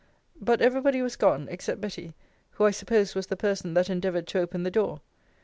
But every body was gone, except Betty, who I suppose was the person that endeavoured to open the door.